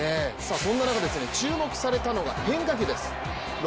そんな中、注目されたのが変化球です。